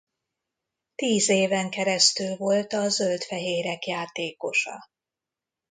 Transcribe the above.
Tíz éven keresztül volt a zöld-fehérek játékosa.